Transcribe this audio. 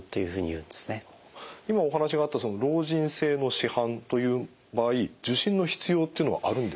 今お話があった老人性の紫斑という場合受診の必要っていうのはあるんですか？